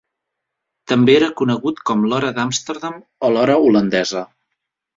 També era conegut com l"Hora d"Amsterdam o l"Hora holandesa.